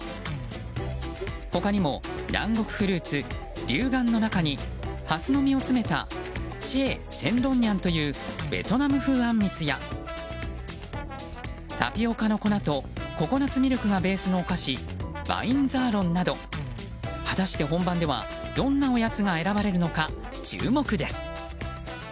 他にも、南国フルーツリュウガンの中にハスの実を詰めたチェー・セン・ロン・ニャンというベトナム風あんみつやタピオカの粉とココナツミルクがベースのお菓子バインザーロンなど果たして本番ではどんなおやつが選ばれるのか注目です。